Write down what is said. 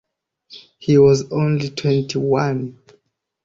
He was only twenty one.